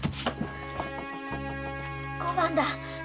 小判だ！